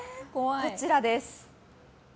こちらです。